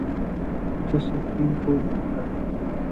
تو supreme court دکھائے۔